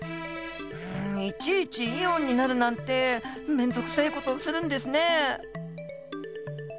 うんいちいちイオンになるなんて面倒くさい事するんですね？